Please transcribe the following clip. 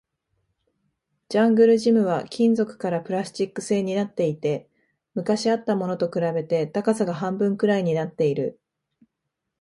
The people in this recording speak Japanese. ジャングルジムは金属からプラスチック製になっていて、昔あったものと比べて高さが半分くらいになっている